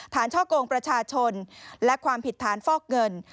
ช่อกงประชาชนและความผิดฐานฟอกเงิน